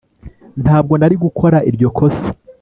ntabwo nari gukora iryo kosa